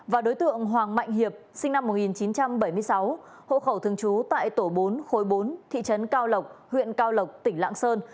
và đối tượng hoàng mạnh hiệp sinh năm một nghìn chín trăm bảy mươi sáu hộ khẩu thường trú tại tổ bốn khối bốn thị trấn cao lộc huyện cao lộc tỉnh lạng sơn